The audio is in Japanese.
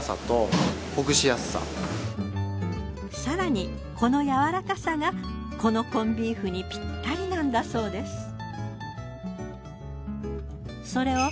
更にこのやわらかさがこのコンビーフにピッタリなんだそうです。